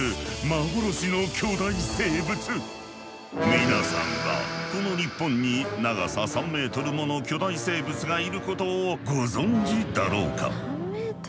皆さんはこの日本に長さ３メートルもの巨大生物がいることをご存じだろうか？